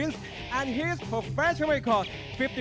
สวัสดีครับ